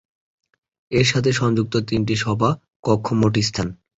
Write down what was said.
এর সাথে সংযুক্ত তিনটি সভা কক্ষ মোট স্থান।